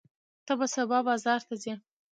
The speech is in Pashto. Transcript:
ته به سبا بازار ته ځې؟